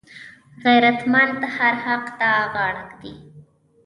غیرتمند هر حق ته غاړه ږدي